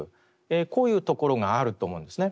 こういうところがあると思うんですね。